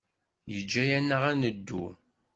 Yeǧǧa-aneɣ ad neddu.